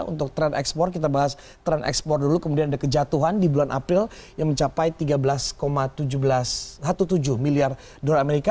untuk tren ekspor kita bahas tren ekspor dulu kemudian ada kejatuhan di bulan april yang mencapai tiga belas tujuh belas miliar dolar amerika